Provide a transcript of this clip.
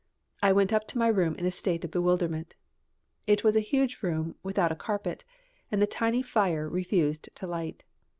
I went up to my room in a state of bewilderment. It was a huge room without a carpet, and the tiny fire refused to light.